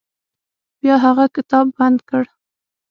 بیا هغه کتاب بند کړ.